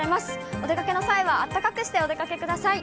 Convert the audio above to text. お出かけの際はあったかくしてお出かけください。